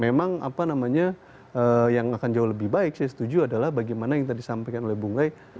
memang apa namanya yang akan jauh lebih baik saya setuju adalah bagaimana yang tadi disampaikan oleh bung gai